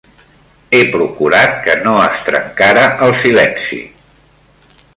He procurat que no es trencara el silenci.